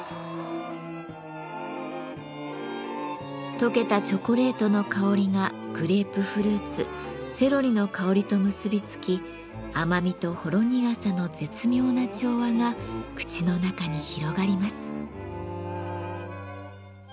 溶けたチョコレートの香りがグレープフルーツセロリの香りと結びつき甘みとほろ苦さの絶妙な調和が口の中に広がります。